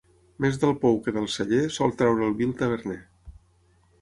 Més del pou que del celler, sol treure el vi el taverner.